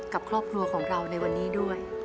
กับครอบครัวของเราในวันนี้ด้วย